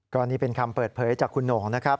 ก็นี่เป็นคำเปิดเผยจากคุณโหน่งนะครับ